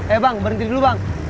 eh bang berhenti dulu bang